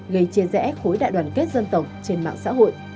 gây chia rẽ khối đại đoàn kết dân tộc trên mạng xã hội